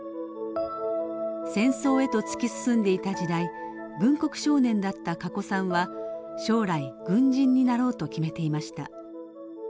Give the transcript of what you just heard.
戦争へと突き進んでいた時代軍国少年だったかこさんは将来軍人になろうと決めていました。